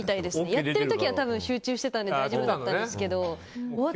やっている時は集中してたので大丈夫だったんですけど。